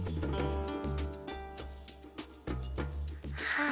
はあ。